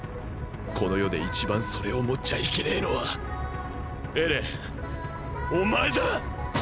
この世で一番それを持っちゃいけねぇのはエレンお前だ！